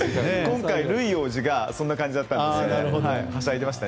今回ルイ王子がそんな感じだったんですね。